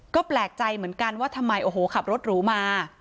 ก็แปลกใจเหมือนกันว่าทำไมโอ้โหขับรถหรูมา